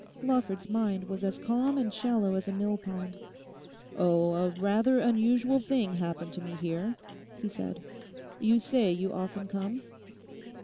Lawford's mind was as calm and shallow as a millpond. 'Oh, a rather unusual thing happened to me here,' he said. 'You say you often come?